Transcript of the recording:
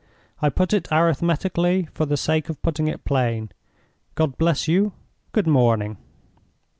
I put it arithmetically, for the sake of putting it plain. God bless you. Good morning!"